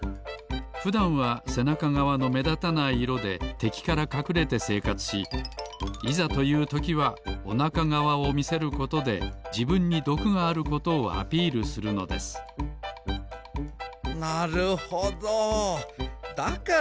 ふだんはせなかがわのめだたない色でてきからかくれてせいかつしいざというときはおなかがわをみせることでじぶんにどくがあることをアピールするのですなるほどだからおなかとせなか